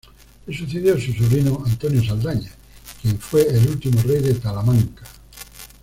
Le sucedió su sobrino Antonio Saldaña, quien fue el último rey de Talamanca.